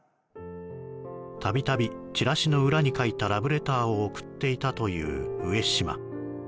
たびたびチラシの裏に書いたラブレターを贈っていたという上島